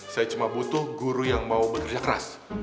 saya cuma butuh guru yang mau bekerja keras